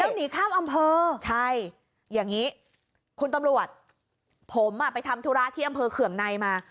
แล้วหนีข้ามอำเภอใช่อย่างนี้คุณตำรวจผมอ่ะไปทำธุระที่อำเภอเคืองในมา